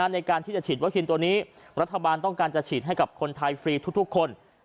ในการชีดเว็บสีนตัวนี้รัฐบาลต้องการชีดให้กับคนไทยฟรีทุกคน